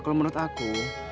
kalau menurut aku